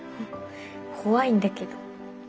怖いんだけど。